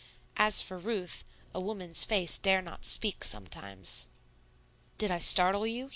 As for Ruth, a woman's face dare not speak sometimes. "Did I startle you?"